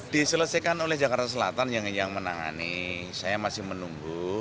diselesaikan oleh jakarta selatan yang menangani saya masih menunggu